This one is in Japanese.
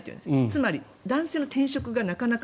つまり、男性の転職がなかなか